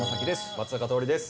松坂桃李です。